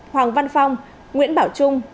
hoàng văn phong nguyễn bảo trung